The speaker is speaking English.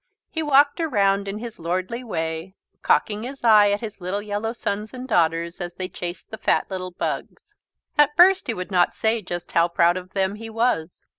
He walked around in his lordly way, cocking his eye at his little yellow sons and daughters as they chased the fat little bugs. At first he would not say just how proud of them he was.